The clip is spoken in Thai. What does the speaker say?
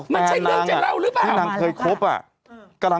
มันใช่เรื่องจะเล่าหรือเปล่า